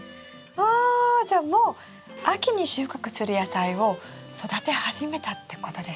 わじゃあもう秋に収穫する野菜を育て始めたってことですね。